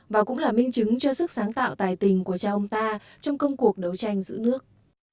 và cũng là minh chứng cho sức sáng tạo tài tình của cha ông ta trong công cuộc đấu tranh giữ nước